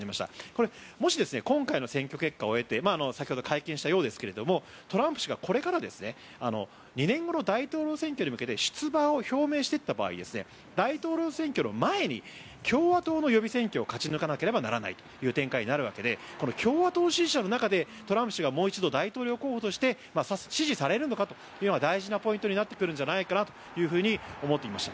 これ、もし今回の選挙結果を経て先ほど会見したようですがトランプ氏がこれから２年後の大統領選挙に向けて出馬を表明していった場合大統領選挙の前に共和党の予備選挙を勝ち抜かないといけないという展開になるわけで共和党支持者の中でトランプ氏がもう一度大統領候補として支持されるのかというのは大事なポイントになってくるんじゃないかと思っています。